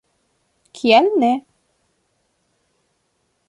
Kial ne!